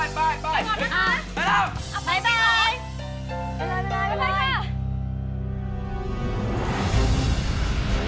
อ่ะไปแล้ว